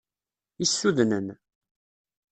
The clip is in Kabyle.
Issudnen!